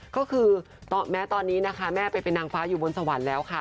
ก็คือแม้ตอนนี้นะคะแม่ไปเป็นนางฟ้าอยู่บนสวรรค์แล้วค่ะ